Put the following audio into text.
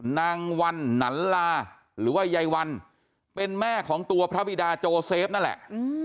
นางวันหนันลาหรือว่ายายวันเป็นแม่ของตัวพระบิดาโจเซฟนั่นแหละ